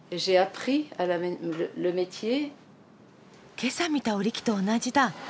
今朝見た織り機と同じだ。